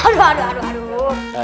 aduh aduh aduh